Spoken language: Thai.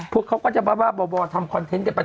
เขาก็จะบ้าบ่อทำคอนเทนต์กันไป